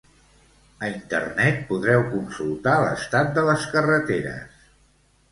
A internet podreu consultar l'estat de les carreteres.